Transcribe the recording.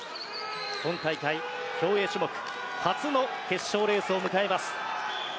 今大会、競泳種目初の決勝レースを迎えます。